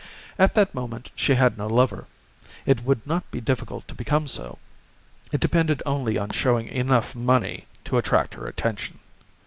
At that moment she had no lover. It would not be difficult to become so; it depended only on showing enough money to attract her attention.